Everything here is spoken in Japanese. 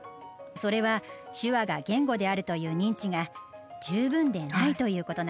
それは手話が言語であるという認知が十分でないということなんです。